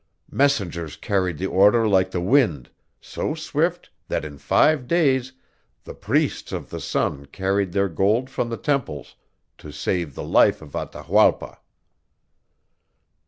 "Messengers carried the order like the wind, so swift that in five days the priests of the sun carried their gold from the temples to save the life of Atahualpa."